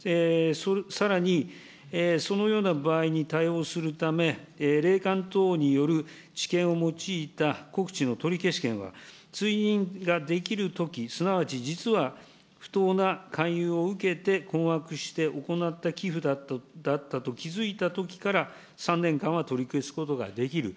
さらにそのような場合に対応するため、霊感等による知見を用いた告知の取消権は、追認ができるとき、すなわち実は不当な勧誘を受けて、困惑して行った寄付だったと気付いたときから３年間は取り消すことができる。